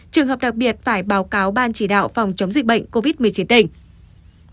trường hợp đặc biệt phải báo cáo ban chỉ đạo phòng chống dịch bệnh covid một mươi chín tỉnh